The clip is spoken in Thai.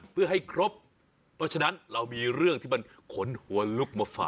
เพื่อให้ครบเพราะฉะนั้นเรามีเรื่องที่มันขนหัวลุกมาฝาก